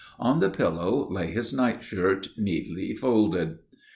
On the pillow lay his night shirt, neatly folded.